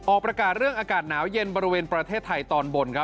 ออกประกาศเรื่องอากาศหนาวเย็นบริเวณประเทศไทยตอนบน